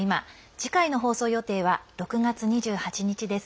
次回の放送予定は６月２８日です。